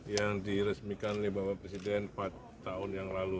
yang diresmikan oleh bapak presiden empat tahun yang lalu